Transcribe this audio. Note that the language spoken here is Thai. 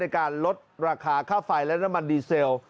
การลดราคาค่าไฟและน้ำมันดีเซล